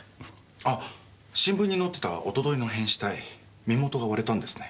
あ新聞に載ってたおとといの変死体身元が割れたんですね。